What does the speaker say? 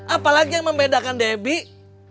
apalagi yang membedakan debbie